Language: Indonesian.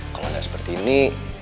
kalau enggak seperti ini